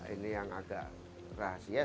ini yang agak rahasia